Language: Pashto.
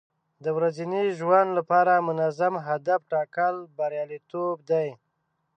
د ورځني ژوند لپاره منظم هدف ټاکل بریالیتوب دی.